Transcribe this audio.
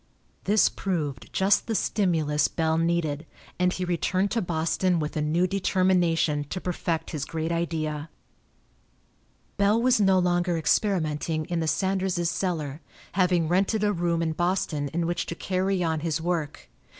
This proved just the stimulus Bell needed, and he returned to Boston with a new determination to perfect his great idea. Bell was no longer experimenting in the Sanderses' cellar, having rented a room in Boston in which to carry on his work.